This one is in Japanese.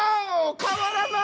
変わらない！